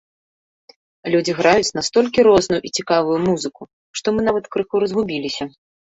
Людзі граюць настолькі розную і цікавую музыку, што мы нават крыху разгубіліся.